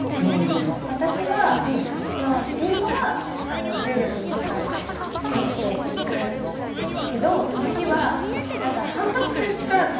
私はそのリンゴは重力に引っ張られて落ちていくけど月は何か反発する力がはたらいてるのかなって。